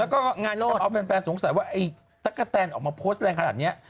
แล้วก็เอาแฟนสงสัยว่าไอ้ตั๊กกะแตนออกมาโพสต์แรงขนาดนี้